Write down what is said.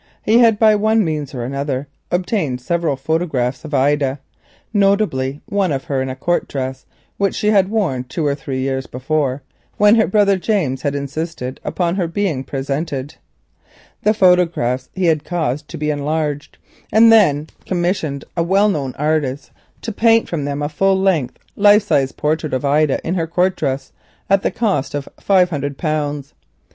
By one means and another he had obtained several photographs of Ida, notably one of her in a court dress which she had worn two or three years before, when her brother James had insisted upon her being presented. These photographs he caused to be enlarged and then, at the cost of 500 pounds, commissioned a well known artist to paint from them a full length life size portrait of Ida in her court dress.